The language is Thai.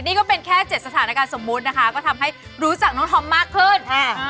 นี่ก็เป็นแค่๗สถานการณ์สมมุตินะคะก็ทำให้รู้จักน้องทอมมากขึ้น